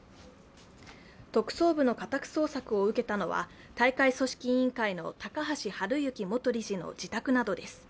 特捜部の家宅捜索を受けたのは、大会組織委員会の高橋治之元理事の自宅などです。